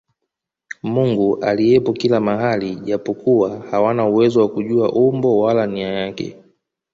Mungu aliyepo kila mahali japokuwa hawana uwezo wa kujua umbo wala nia yake